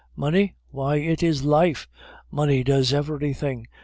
Money? why, it is life! Money does everything.